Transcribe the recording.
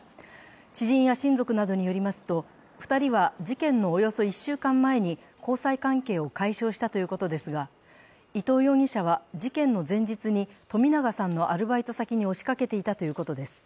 知人や親族などによりますと、２人は事件のおよそ１週間前に交際関係を解消したということですが、伊藤容疑者は事件の前日に冨永さんのアルバイト先に押しかけていたということです。